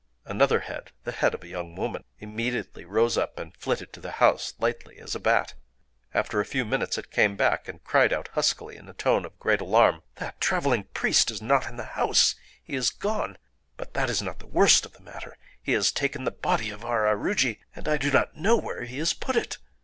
Another head—the head of a young woman—immediately rose up and flitted to the house, lightly as a bat. After a few minutes it came back, and cried out huskily, in a tone of great alarm:— "That traveling priest is not in the house;—he is gone! But that is not the worst of the matter. He has taken the body of our aruji; and I do not know where he has put it."